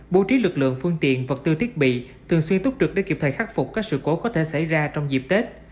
bố trí lực lượng phương tiện vật tư thiết bị thường xuyên túc trực để kịp thời khắc phục các sự cố có thể xảy ra trong dịp tết